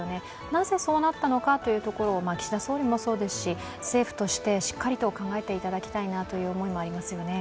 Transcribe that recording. なぜそうなったのかというところを岸田総理もそうですし、政府としてしっかりと考えていただきたいなという思いもありますよね。